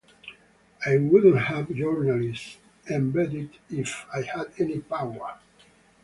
I wouldn't have journalists embedded if I had any power!...